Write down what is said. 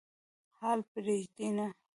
حال پرېږدي نه.